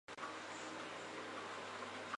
向西通过一条虚设的直线与玻利维亚相邻。